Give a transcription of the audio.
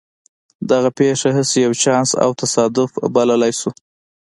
دغه پېښه هسې يو چانس او تصادف بللای شو.